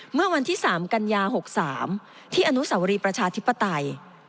เมื่อวันที่๓กันยา๖๓ที่อนุสาวรีประชาธิปไตย